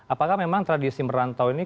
apakah memang tradisi merantau ini